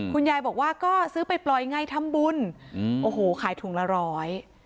คุณยายบอกว่าก็ซื้อไปปล่อยไงทำบุญอืมโอ้โหขายถุงละร้อย